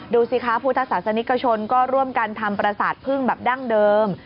ดูสิคะพุทธศาสนิกชนก็ร่วมกันทำประสาทพึ่งแบบดั้งเดิม